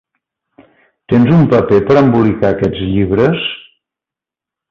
Tens un paper per a embolicar aquests llibres?